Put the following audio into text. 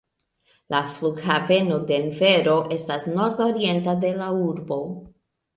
La Flughaveno Denvero estas nordorienta de la urbo.